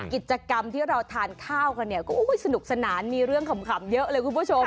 กิจกรรมที่เราทานข้าวกันเนี่ยก็สนุกสนานมีเรื่องขำเยอะเลยคุณผู้ชม